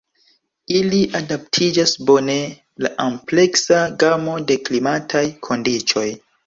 Ili adaptiĝas bone al ampleksa gamo de klimataj kondiĉoj.